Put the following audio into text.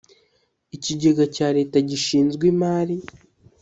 Ikigega cya leta gishinzwe imari